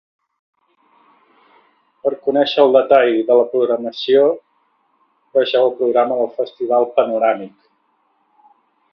Per conèixer el detall de la programació, vegeu el Programa del Festival Panoràmic.